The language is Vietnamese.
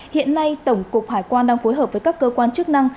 hiện nay tổng cục hải quan đang phối hợp với các cơ quan chức năng